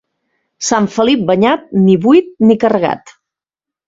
Sant Felip banyat, ni buit ni carregat.